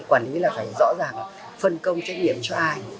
quản lý là phải rõ ràng phân công trách nhiệm cho ai